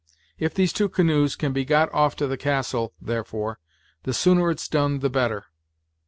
If these two canoes can be got off to the castle, therefore, the sooner it's done the better."